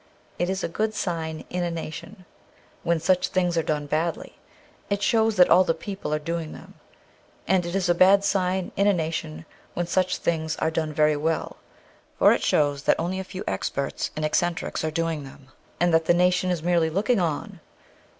It is a good sign in a nation, when such things are done badly. It shows that all the people are doing them. And it is a bad sign in a nation when such things are done very well, for it shows that only a few experts and eccentrics are doing them, and that the nation is merely looking on.